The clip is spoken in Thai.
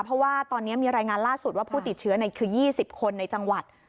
เพราะว่าตอนนี้มีรายงานล่าสุดว่าผู้ติดเชื้อคือ๒๐คนในจังหวัด